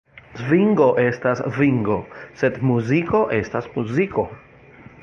Svingo estas svingo, sed muziko estas muziko!